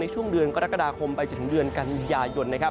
ช่วงเดือนกรกฎาคมไปจนถึงเดือนกันยายน